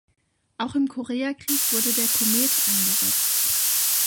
Auch im Koreakrieg wurde der Comet eingesetzt.